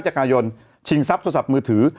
กายนชิงทรัพย์โทรศัพท์มือถือ